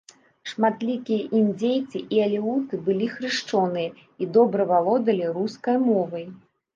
Шматлікія індзейцы і алеуты былі хрышчоныя і добра валодалі рускай мовай.